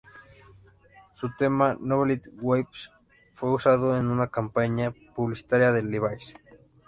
Su tema "Novelty Waves" fue usado en una campaña publicitaria de Levi's.